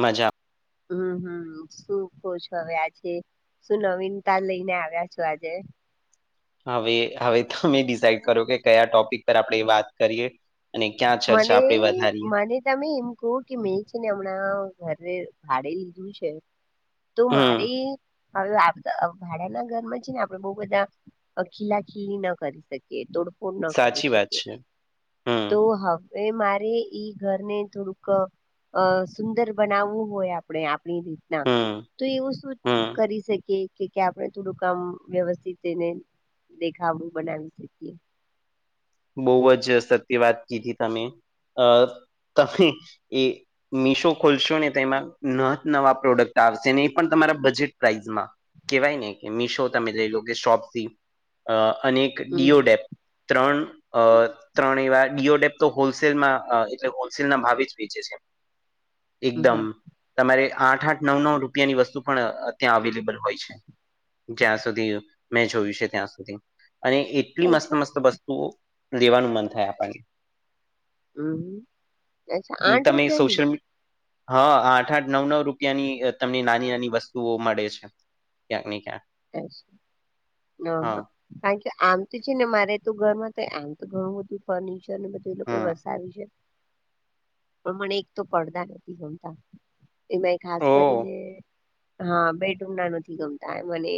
મજા હમ હમ શું કહો છો હવે આજે શું નવીનતા લઈને આવ્યા છો આજે હવે હવે તમે ડિસાઇડ કરો કે કયા ટોપિક પર આપણે વાત કરીએ અને ક્યાં ચર્ચા મને આપણે વધારીએ મને તમેમ ક કે મેં છે ને હમણાં ઘરે ભાડે લીધું છે તું હમ મારી હવે ભાડાના ઘરમાં છે ને આપડે બઉ બધા ખીલા ખીલી ન કરી શકીએ કે તોોડફોડ ના કરી સાચી વાત શકે છે હમ એ મારે ઈ ઘરને થોડુંક સુંદર બનાવવું હોય આપ આપ આપણી રીતના હમ તો એવું શું હમ કરી શકી કે કે આપણે થોડું કામ વ્યવસ્થિત એને દેખાવડું બનાવી શકીએ બહુ જ સત્ય વાત કીધી તમે અ તમે એ મિશો ખોલશો ને તોમાં ન નવા પ્રોડક્ટ આવશે ને એ પણ તમારા બજેટ પ્રાઈસમાં કેવાય ને કે મીશો તમે જઈ લો કે શોપથી અનેક હમ ડીઓડેપ ત્રણ અ હમ ત્રણ એવાર ડીઓડેપ તો હોલસેલમાં એટલે હોલસેલ ના ભાવે જ વેચે છે હમ એકદમ હમ તમારે આઠ આઠ નવ નવ રૂપિયાની વસ્તુ પણ ત્યાં અવેલેબલ હોય છે. જ્યાં સુધી મેં જોયું છે ત્યાં સુધી અને એટલી મસ્ત મસ્ત વસ્તુઓ લેવાનું મન થાય આપણને હમ અચ્છા આઠ તમે રૂપિયાની સોશિયલ મી હા આઠ આઠ નવ નવ રૂપિયાની તમને નાની નાની વસ્તુઓ મળે છે ક્યાંક ને ક્યાક હ હા કારણ કે આમ તો છે ને મારે તો ઘર માં આમ તો ઘણું બધું ફર્નિચર ને બધું એ લોકો હમ વસાવી છે હ મને એક તો પડદા નથી ગમતા એમાં ખાસ ઓ કરીને હા બેડરૂમ ના નથી ગમતા. મને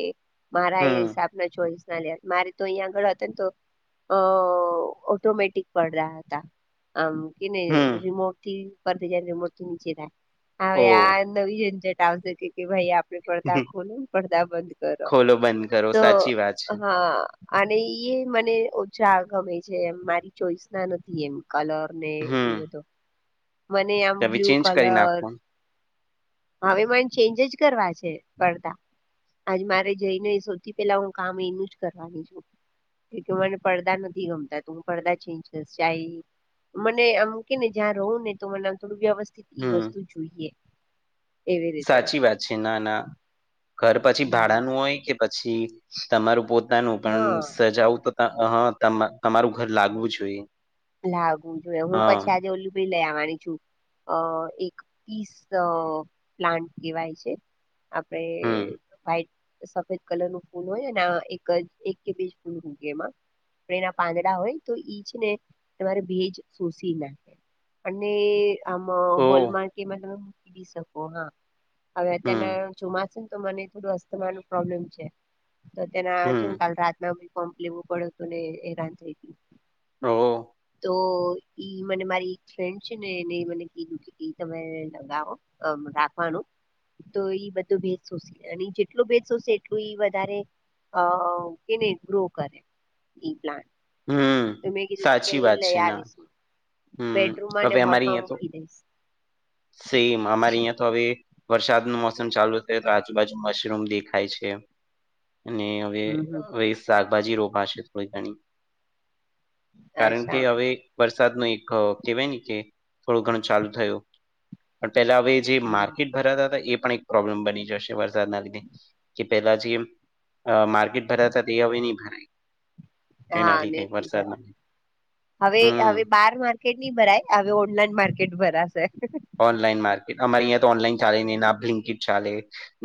મારા હમ હિસાબના ચોઈસ ના લેવા તા મારે તો અહીંયા આગળ હતા ને તો. અ ઓટોમેટિક પડદા હતા. આમ કે હમ રિમોટ થી પરથી જ રિમોટથી નીચે થાય ઓ હવે આમ. ઈ એ એક્ઝ્ટ આવ હવે પડદા ખોલ પડદા. બંધ કરો ખોલો બંધ કરો તો સાચી વાત છે હા અને એ મને ઓછા ગમે છે એમ મારી ચોઈસ ના નથી એમ કલર ને એ હમ બધો. મને આમ તમે બ્લુ ચેન્જ કરી કલર. નાખો હવે માઇડ ચેન્જ જ કરવા છે પડદા. આજ મારે જઈને સૌથી પેલા હું કામ એનું જ કરવાની છું. એ મને પડદા નથી ગમતા તું હું પડદા ચેન્જ કરશ ચાઈ મને આમ કેને જ્યાં રહું ને તો મને આમ થોડું વ્યવસ્થિત ઈ હમ વસ્તુ જોઈએ. એવી રીતે સાચી વાત છે ના ના ઘર પછી હમ ભાડાનું હોય કે પછી તમારું પોતે પોતાનું પણ હા સજાવું તો તમારું ઘર લાગવું જોઈએ. લાગુ જોએ હું હા પછી આજે ઓલુ ભાઈ લઈ આવવાની છું. અ એક પીસ પ્લાન્ટ કહેવાય છે. આપડે હમ ભાઈ સફેદ કલર નું ફૂલ હોય ના એક એક કે બીજુ ફૂલ ઊગે એમાં. એના પાંદડા હોય તો ઈજ ને. તમારે ભેજ શોસી નાખે અને આમ ઓ હોલ માર્કેટમાં તમે કદી શકો હા. હવે હમ અત્યારના ચોમાસું તો મને થોડું અસ્થમા નું પ્રોબ્લેમ છે. તો તેના જુને હમ કાલ રાતના પમ્પ લેવું પડ્યું હતું ને હેરાન થઈ. હઓ. તો ઈ મને મારી એક ફ્રેન્ડ છે ને એને મને કીધું છે તમે લગાવો. હમ રાખવાનું. તો એ બધું ભેજ સોશે અને જેટલું સોશે એટલું વધારે અ એને ગ્રો કરે ઈ પ્લાન્ટ હમ્મ તો મેં કીધું તું કે સાચી ઈ વાત લઈ છે ના. આવીશ હમ્મ બેડરૂમમાં અને હવે અમારી હોલમાં અહીંયા તો મૂકી દઈશ. સેમ અમારી અહિયાં. હવે વરસાદ નુ મોસમ ચાલુ થયુ તો આજુબાજુ મશરૂમ દેખાય છે. અને હવે હમ હમ. હવે શાકભાજી રોપાશે થોડી ઘણી. કારણ કે અચ્છા હવે વરસાદ નુ એક કેવાય કે થોડું ઘણું ચાલુ થયું પણ પેલા હવે જે હમ માર્કેટ. ભરાતા હતા એ પણ એક પ્રોબ્લેમ બની જશે વરસાદના લીધે કે પેલા જે. માર્કેટ ભરાતા તે હવે નઈ થાય. હા ને જ ભરાય લીધે હવે હમ હવે બાર માર્કેટ નહી ભરાય હવે ઓનલાઈન માર્કેટ ભરાશે. ઓનલાઈન માર્કેટ અમારી અહીંયા તો ઓનલાઈન ચાલે નહિ ના બ્લિંકિટ ચાલે.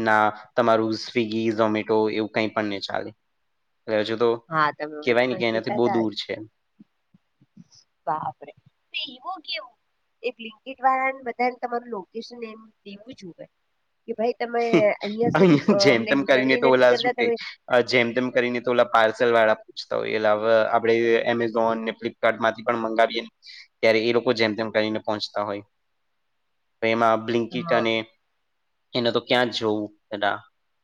ના તમારું સ્વીગી ઝોમેટો એવું કઈ પણ નહી ચાલેજ હજુ તો. હા તમે કેવાય ને વચમાં કે એનાથી કેતા બહુ તા દૂર છે. બાપરે એવું કેવું. એક લીનકીટ વાળાને બધાને તમારું લોકેશન એમ દેવું જ હોએ કે ભાઈ. તમે અહિયાં સુધી અહિયાં અ જેમ અમને તેમ કરીને ડિલવરી તો ઓલા નથી શું કરતા કે તમે. જેમ તેમ કરીને તો ઓલા પાર્સલ વાળા પૂછતા હોય એલેવે આપડ એમેઝોન ને્લ. કાર્ટ માંથી પણ મંગાવીએ ત્યારે એ લોકો જેમ તેમ કરીને પહોંચતા હોય. તો એમાં બ્લિંકટ હા. અને એને તો ક્યાં જ જોવું.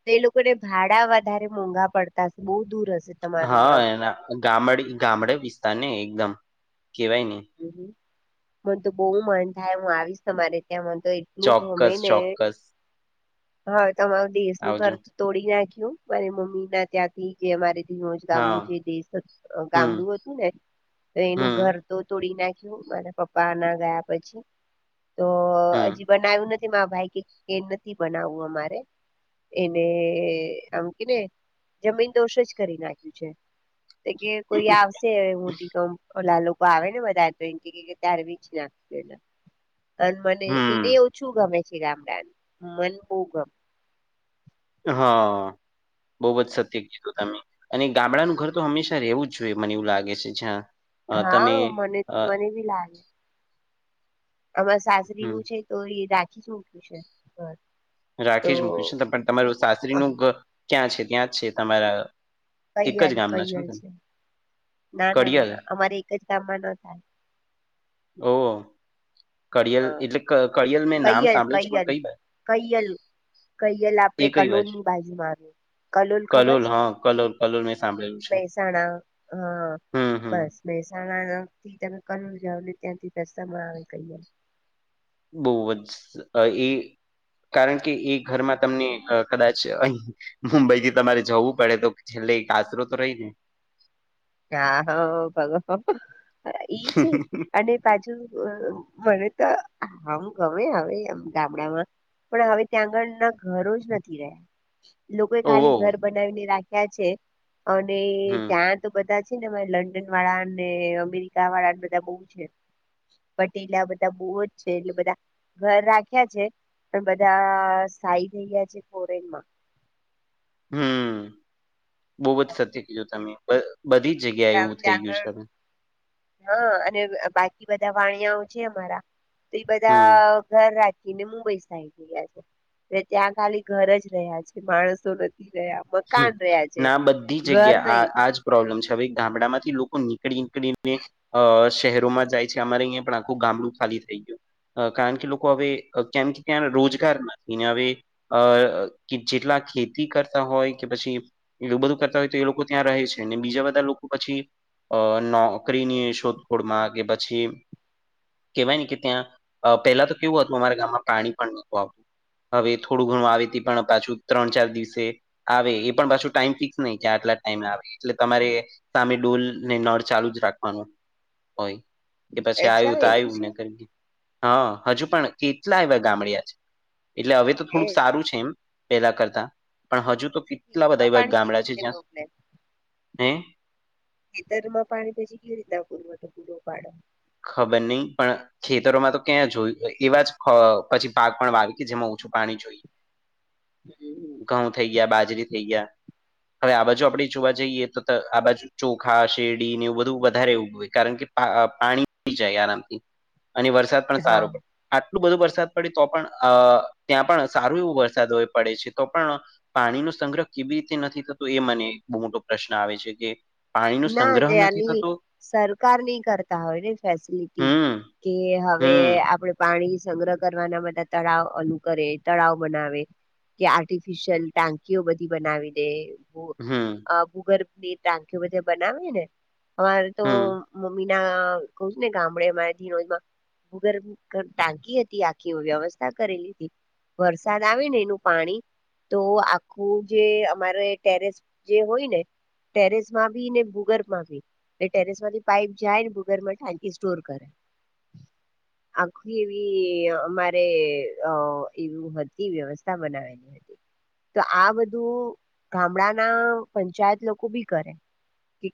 તે એ લોકોને ભાડા વધારે મોંઘા પડતા બહુ દૂર. હશે તમારું હા આમ. એના ગામડ ગામડે વિસ્તાર ને એકદમ કેવાય નને હહ મનતો બહુ મન થાય હું આવીશ તમારે ત્યાં મ તો ું ગમે ચોક્કસ ને ચોક્કસ હા તમારું દેશનુંું ઘર આવજો તોડી નાખ્યું મારી મમ્મી ના ત્યાં જે અમારે ધીમોજ ગામનું હા જે દેશ હમ ગામડું હતું ને તો એનું ઘર હમ તો તોડી નાખ્યું મારા પપ્પા ના ગયા પછી તો હમ હજી બનાવ્યું નથી [unintelligible] ભાઈ કે નથી બનાવવું અમારે એને આમ કે ને જમીન દોષ જ કરી નાખ્યું છે તો કે કોઈ આવશે મોટી કમ લાલ આવે ને બધા તો એ ત્યારે વી નાખ અન મને એને હમ ઓછું ગમે છે ગામડાાન મન બહું ગમે હા બોવજ સત્ય કીધું તમે અને ગામડાનું ઘર તો હંમેશા રહેવું જ જોઈએ મને એવું લાગે છે જ્યાં અ તમે હા મને અ મને ભી લાગે અમા સાસરી હમ નું છે તો એ રાખી મૂક્યું છે ઘર રાખી જ મૂકીશ પણ તમારું સાસ્ત્રીનું [unintelligible] ક્યાં છે ત્યાં જ છે તમારા એક જ કૈયલ ગામના છો કૈયલ તને છે ના ના ના ના અમારે એક જ ગામમાં ન થાય ઓ કળિયલ હા એટલે કળિયલ મેં નામ કૈયલ સાંભળ્યું છે પણ કઈ [unintelligible] કહીએેલા એ આપડૅ કઈ કલોન બાજ ની બાજુ આવ્યું કલુલ ખબર કલોલ છે હા કલોલ કલોલ મેં સાંભળેલું છે મહેસાણા હા હમ હમ બસ મહેસાણાથી તમે કલોલ જાાવ ને ત્યાંથી રસ્તા માં આવે કલોલ બવજ એ કારણ કે એ ઘરમાં તમને કદાચ અહી મુંબઈથી તમારે જવું પડે તો છેલ્લે આસરો તો રહી ને આહો ભગવા [unintelligible] એઈ છે અને બાજુ મને તો આમ ગમે આવે આમ ગામડામાં પણ હવે ત્યાં આગળના ઘરો જ નથી રહ્યા લોકો એ ખાલી ઓહ ઘર બનાવીને રાખ્યા છે અને હમ ત્યાં તો બધા છે ને લંડન વાળા અને અમેરિકા વાળાને બધા બહુ છે પટે એટલા બધા બહુ જ છે એટલે બધા ઘર રાખ્યા છે પણ બધા સાઈ થઈ ગયા છે ફોરેનમાં હમ્મ બવજ સતય કીધું તમે બ બધી જગ્યા ત્યાં આગળ હા અને બાકી બધા વાણિયાઓ છે અમારા તો એ હમ બધા ઘર રાખીને મુંબઈ સાઈ થયા છે ત્યાં ખાલી ઘર જ રહ્યા છે માણસો નથી રહ્યા મકાન [unintelligible] રહ્યા છે. ના બધી ઘર જગ્યા આ નહી આજ પ્રોબ્લેમ છે હવે ગામડામાંથી લોકો નીકળી નીકળીને અ શહેરોમાં જાય છે અમારે અહીંયા પણ આખું ગામડું ખાલી થઈ ગયું કારણ કે લોકો હવે કેમથી ત્યાં રોજગાર નથી ને હવે અ કે જેટલા ખેતી કરતા હોય કે પછી એલુ બધું કરતા હોય તો એ લોકો ત્યાં રહે છે અને બીજા બધા લોકો પછી અ નોકરીની શોધખોળમાં કે પછી કેવાય ને કે ત્યાં પેલા તો કેવું હતું અમારા ગામમાં પાણી પણ નહતું આપતું હવે થોડું ઘણું આવી ત પણ પાછું ત્રણ ચાર દિવસે આવે એ પણ પાછું ટાઈમ ફિક્સ નહી કે આટલા ટાઈમે આવે એટલે તમારે સામે ડોલ ને નળ ચાલુ જ રાખવાનું હોય. કે પછી અચ્છા આવ્યું તો એવું છે આવ્યુંને કર હા હજુ પણ કેટલા એવા ગામડ્યા છે એટલે હવે તો હે થોડુંક સારું છે એમ પેલા કરતા પણ હજુ તો કેટલા બધા ખેતીમાં એવા પાણી કેવી ગામડા છે રીતે જ્યાં મોકલે હ ખેતર પાણી પછીકેવી રીતેપુપાડ ખબર નહી પણ. ખેતરોમાં તો ક્યાં જોયું એવા જ પછી પાક પણ વાવે કે જેમાં ઓછું પાણી જોય [inaudible] હમ. ઘઉં થઈ ગયા બાજરી થઈ ગયા હવે આ બાજુ આપડે જોવા જઈએ તો આ બાજુ ચોખા શેરડી ને એવું બધું વધારે એવગ હોય કારણ કે પાણી જાય આરામથી અને વરસાદ પણ સારો હા પડ આટલું બધું વરસાદ પડે તો પણ અ ત્યાં પણ સારું એવું વરસાદ હો પડે છે તો પણ. પાણીનો સંગ્રહ કેવી રીતે નથી થતો એ મને બહુ મોટો પ્રશ્ન આવે છે કે પાણી નો ના સંગ્રહ નથી ત્યાંની થતો. સરકાર ન કરતી હમ કે હવે હમ આપણે પાણી સંગ્રહ કરવાના તળાવ અલુ કરે તળાવ બનાવે કે આર્ટિફિશિયલ ટાંકીઓ બધી બનાવી દે હમ. ભૂગર્ભની ટાંકી બધે બનાવે ને અરે તો હમ મમ્મી ના કઉ છે ને ગામડેમાં ધીનોજમાં ભૂગભ ટાકી હતી આખી વ્યવસ્થા કરેલી હતી વરસાદ આવે ને એનું પાણી તો આખું જે અમારે ટેરેસ જે હોય ને ટેરેસ માં ને ભૂગર્ભ માં એ ટેરેસ માંથી પાપ જાય ભૂગર્ભમાં ટાંકી સ્ટોર કરે [inaudible] આખી એવી અમારે એવું હતી વ્યવસ્થા બનાવેલી હતી તો આ બધું ગામડા ના પંચાયત લોકો બી કરે.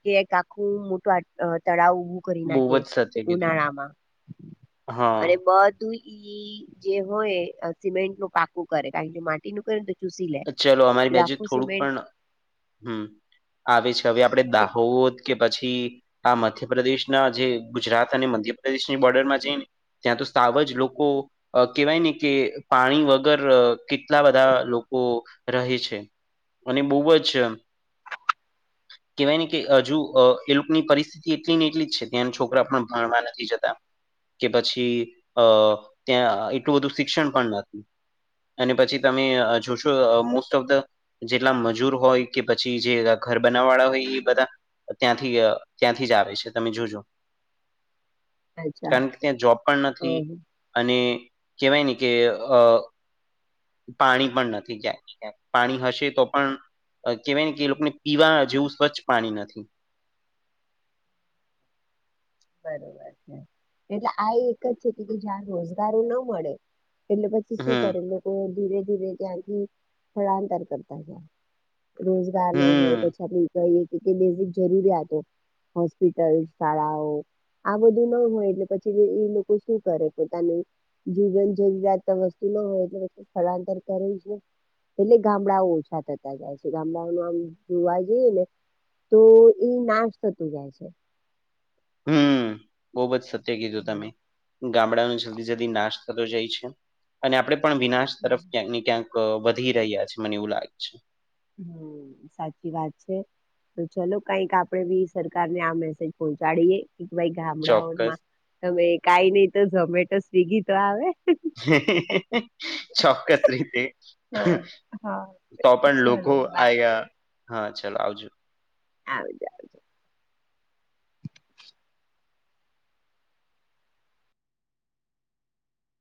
કે એક આખું મોટું તળાવ કરી બહુ નાખે જ સત્ય કીધું ઉનાળામાં હા અને બધ. ઈ જે હોય સિમેન્ટ ન પાકું કરે કારણ માટીનું કરેને તો ચૂસી લે ચલો અમારી એટલે બાજુ આખું થોડુંક સિમેન્ટ પણ હમ આવે છે હવે આપણે દાહો. કે પછી આ મધ્યપ્રદેશના જે ગુજરાત અને મધ્યપ્રદેશની બોર્ડરમાં જઈને ત્યાં તો સાવ જ લોકો અ કેવાય ને કે પાણી વગર કેટલા બધા લોકો રહે છે અને બહુ જ કેવાય ને કે હજુ એ લોકોની પરિસ્થિતિ એટલી ને એટલી જ છે ત્યાં છોકરા પણ ભણવા નથી જતા કે પછી અ ત્યાં એટલું બધું શિક્ષણ પણ નથી અને પછી તમે જોશો. મોસ્ટ ઓફ ધ જેટલા મજૂર હોય કે પછી જે ઘર બનાવવા વાળા હોય એ બધા ત્યાંથી ત્યાંથી જ આવે છે તમે જોજો અચ્છા કારણ કે ત્યાં જોબ પણ નથી હમ અને કેહેવાય ને કે પાણી પણ નથી ક્યાંક ક પાણી હશે તો પણ કહેવાય ને કે એ લોકોને પીવા જેવું સ્વચ્છ પાણી નથી બરોબર છે એટલે આ એક જ છે કે જ્યાં રોજગારો ના મળે એટલે પછી શું હમ કરે લોકો ધીરે ધીરે ત્યાંથી સ્થળાંતર કરતાયા રોજગાર ન હમ હોય પછઈ બેઝિક જરૂરિયાતો હોસ્પિટલ શાળાઓ આ બધું ન હોય એટલે પછી એ લોકો શું કરે પોતાનું જીવન જરૂિયાત વસ્તુ ન હોય તો સ્થળાંતર કરેને એટલે ગામડાઓ ઓછા થતા જાય છે ગામડાઓ ન આમ જોવા જઈએ ને તો એ નાશ થતોું જાય છે. હમ બોબ જ સત્ય કીધું તમે ગામડાનો જલ્દી જલ્દી નાશ થતો જાય છે, અને આપડે પણ વિનાશ તરફ ક્યાંકને ક્યાંક વધી રહ્યા છે, મને એવું લાગે છે. હમ સાચી વાત છે. તો ચલો કઈક આપણેે ભી સરકાર ને આ મેસેજ પહોંચાડીએ ભાઈ ચોક્કસ. ગામડાઓમાં તમે કાઈ ની તો ઝોમેટો સ્વીગી તો આવે ચોક્કસ રીતે હ હા તો પણ લોકો ચલો બાય આયા હા ચાલ આવજો આવીજા.